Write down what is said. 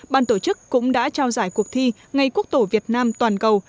ban tổ chức cũng đã trao giải cuộc thi ngày quốc tổ việt nam toàn cầu